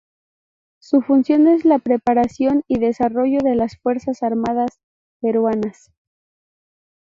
Su función es la preparación y desarrollo de las Fuerzas armadas peruanas.